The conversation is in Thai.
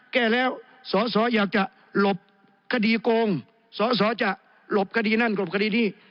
แก้แล้วสอสออยากจะหลบคดีโกงสอสอจะหลบคดีนั่นหลบคดีนี้